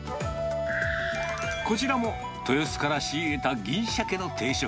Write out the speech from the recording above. こちらも、豊洲から仕入れた銀シャケの定食。